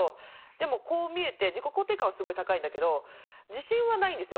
でもこう見えて自己肯定感はすごい高いんだけど自信はないんですよ